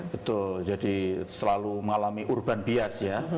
betul jadi selalu mengalami urban bias ya